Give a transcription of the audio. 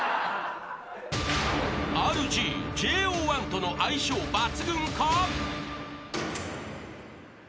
ＪＯ１との相性抜群か？］